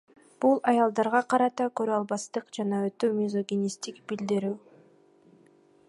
Бул аялдарга карата көрө албастык жана өтө мизогинисттик билдирүү.